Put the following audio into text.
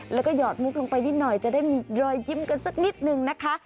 แล้วก็หอดมุกลงไปนิดหน่อยจะได้มีรอยยิ้มกันสักนิดนึงนะคะ